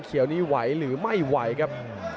เขียวนี้ไหวหรือไม่ไหวครับ